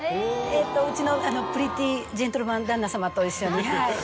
うちのプリティージェントルマン旦那様と一緒に。